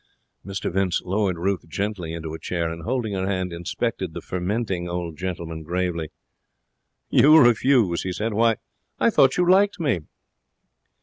Mr Vince lowered Ruth gently into a chair and, holding her hand, inspected the fermenting old gentleman gravely. 'You refuse?' he said. 'Why, I thought you liked me.'